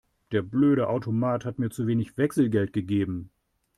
Der blöde Automat hat mir zu wenig Wechselgeld gegeben.